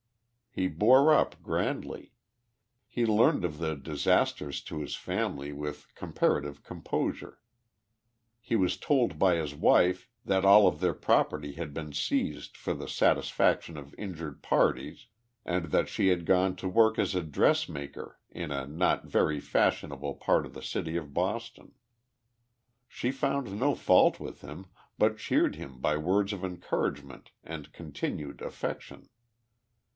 He bore up grandly. He learned of the disasters to his family with com parative composure. He was told by his wife that all of their property had been seized for the satisfaction of injured parties, and that she had gone to work as a dressmaker in a not very THE LIFE OF JESSE IIAEEING POMEROY. fashionable part of the city of Boston. She found no fault with him, but cheered him by words of encouragement and continued affection.